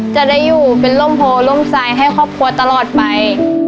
จะได้อยู่เป็นร่มโพร่มทรายให้ครอบครัวตลอดไป